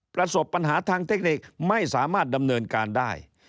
ประสบปัญหาทางเทคนิคไม่สามารถดำเนินการได้